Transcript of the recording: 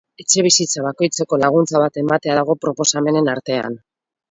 Etxebizitza bakoitzeko laguntza bat ematea dago proposamenen artean.